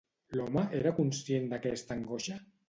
L'home era conscient d'aquesta angoixa?